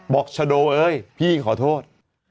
ชะโดเอ้ยพี่ขอโทษ